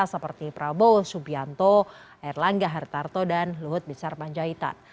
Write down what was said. seperti prabowo subianto erlangga hartarto dan luhut binsar panjaitan